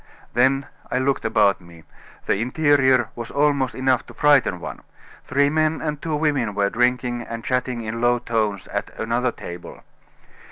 Then I looked about me. The interior was almost enough to frighten one. Three men and two women were drinking and chatting in low tones at another table.